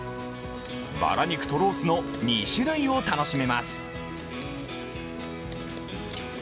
バラ肉とロースの２種類を楽しめます。